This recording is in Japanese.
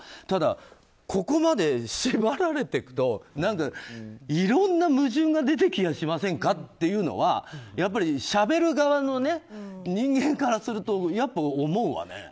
ただ、ここまで縛られていくといろんな矛盾が出てきやしませんか？というのはしゃべる側の人間からするとやっぱり思うわね。